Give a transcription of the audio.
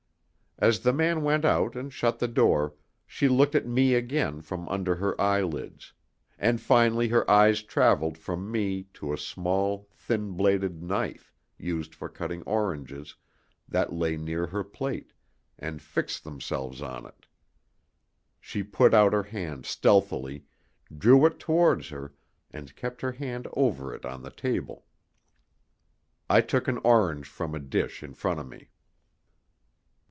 As the man went out and shut the door, she looked at me again from under her eyelids; and finally her eyes travelled from me to a small, thin bladed knife, used for cutting oranges, that lay near her plate, and fixed themselves on it. She put out her hand stealthily, drew it towards her, and kept her hand over it on the table. I took an orange from a dish in front of me.